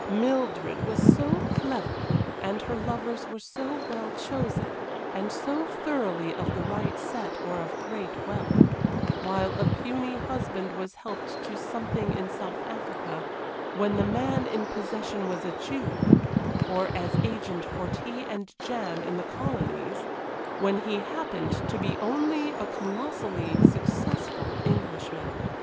Mildred was so clever, and her lovers were so well chosen, and so thoroughly of the right set or of great wealth; while a puny husband was helped to something in South Africa, when the man in possession was a Jew or as agent for tea and jam in the colonies when he happened to be only a colossally successful Englishman.